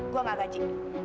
gue nggak gaji